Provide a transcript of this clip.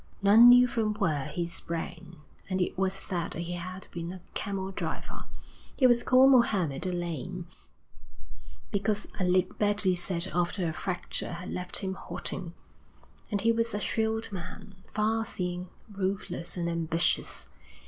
None knew from where he sprang, and it was said that he had been a camel driver. He was called Mohammed the Lame, because a leg badly set after a fracture had left him halting, and he was a shrewd man, far seeing, ruthless, and ambitious.